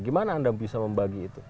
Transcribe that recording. gimana anda bisa membagi itu